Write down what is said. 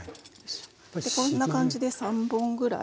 でこんな感じで３本ぐらい。